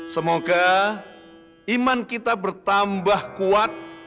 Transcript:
semoga iman kita bertambah kuat